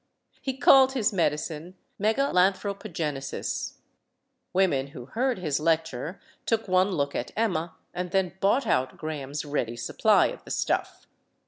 He called his medicine "Megalanthropogenesis." Women who heard his lec ture took one look at Emma and then bought out Graham's ready supply of the stuff.